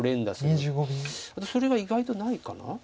ただそれが意外とないかな